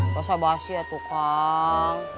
basah basih ya tukang